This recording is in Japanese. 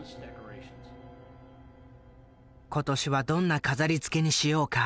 「今年はどんな飾りつけにしようか？」。